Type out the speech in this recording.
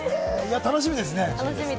楽しみですね。